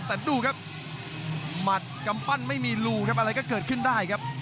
แต่ดูครับหมัดกำปั้นไม่มีรูครับอะไรก็เกิดขึ้นได้ครับ